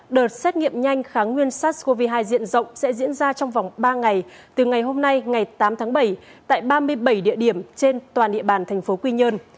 đợt xét nghiệm nhanh kháng nguyên sars cov hai diện rộng sẽ diễn ra trong vòng ba ngày từ ngày hôm nay ngày tám tháng bảy tại ba mươi bảy địa điểm trên toàn địa bàn thành phố quy nhơn